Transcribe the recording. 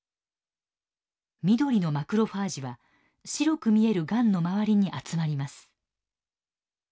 緑のマクロファージは白く見えるがんの周りに集まります。